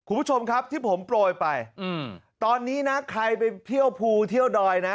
คุณผู้ชมครับที่ผมโปรยไปอืมตอนนี้นะใครไปเที่ยวภูเที่ยวดอยนะ